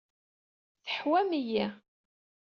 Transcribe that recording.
Tḥewwam-iyi.